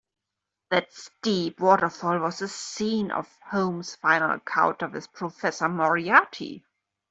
That steep waterfall was the scene of Holmes's final encounter with Professor Moriarty.